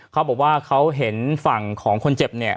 เขาบอกว่าเขาเห็นฝั่งของคนเจ็บเนี่ย